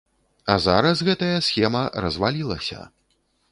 А зараз гэтая схема развалілася.